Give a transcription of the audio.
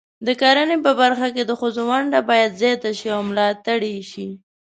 د کرنې په برخه کې د ښځو ونډه باید زیاته شي او ملاتړ شي.